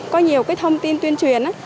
có nhiều cái thông tin tuyên truyền